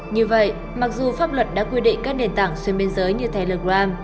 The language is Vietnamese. như vậy mặc dù pháp luật đã quy định các nền tảng xuyên biên giới như telegram